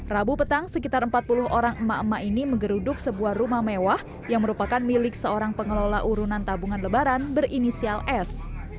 rabu petang sekitar empat puluh orang emak emak ini menggeruduk sebuah rumah mewah yang merupakan milik seorang pengelola urunan tabungan lebaran berinisial s